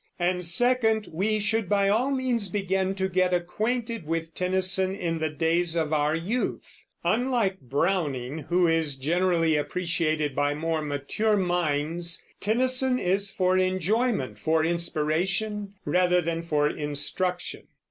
And second, we should by all means begin to get acquainted with Tennyson in the days of our youth. Unlike Browning, who is generally appreciated by more mature minds, Tennyson is for enjoyment, for inspiration, rather than for instruction.